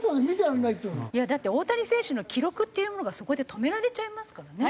いやだって大谷選手の記録っていうものがそこで止められちゃいますからね。